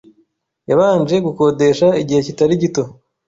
“Yabanje gukodesha igihe kitari gito